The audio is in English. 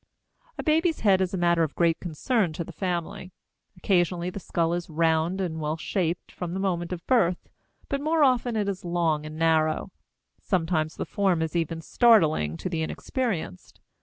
A baby's head is a matter of great concern to the family. Occasionally, the skull is round and well shaped from the moment of birth, but more often it is long and narrow; sometimes the form is even startling to the inexperienced.